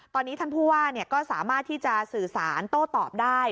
ตอนนี้ท่านผู้ว่าก็สามารถที่จะสื่อสารโต้ตอบได้